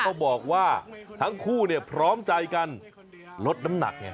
ก็บอกว่าทั้งคู่พร้อมจ่ายกันลดน้ำหนัก